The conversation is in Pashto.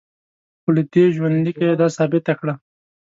خو له دې ژوندلیکه یې دا ثابته کړه.